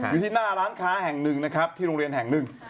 อยู่ที่หน้าร้านค้าแห่งหนึ่งนะครับที่โรงเรียนแห่งหนึ่ง